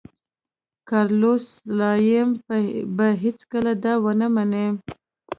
کارلوس سلایم به هېڅکله دا ونه مني.